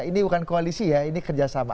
ini bukan koalisi ya ini kerjasama